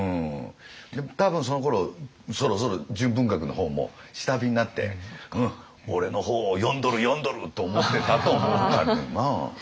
多分そのころそろそろ純文学の方も下火になって「俺の本を読んどる読んどる！」と思ってたと思うんだけどな。